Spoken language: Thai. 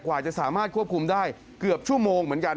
กว่าจะสามารถควบคุมได้เกือบชั่วโมงเหมือนกัน